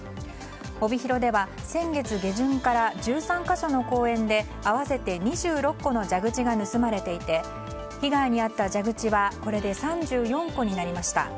帯広では先月下旬から１３か所の公園で合わせて２６個の蛇口が盗まれていて被害に遭った蛇口はこれで３４個になりました。